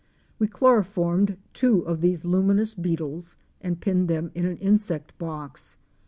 We chloroformed two of these luminous beetles and pinned them in an insect box.